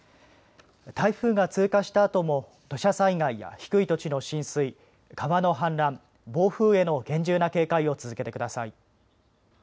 台風が通過したあとも土砂災害や低い土地の浸水、川の氾濫、暴風への厳重な警戒を続けてください。